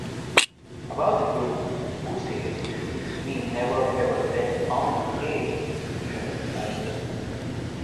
About the group, Wu says, We never, ever let 'common taste' influence our music.